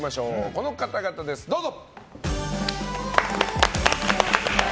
この方々です、どうぞ。